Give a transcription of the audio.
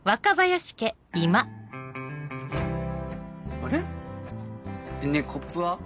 あれ？ねぇコップは？